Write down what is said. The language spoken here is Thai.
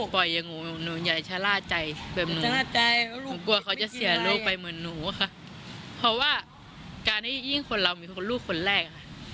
เพราะว่าการให้เพื่อนเราเป็นครูแรก